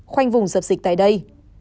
khoanh vùng dập dịch tại đây